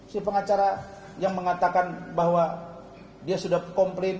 si pengacara yang mengatakan bahwa dia sudah komplain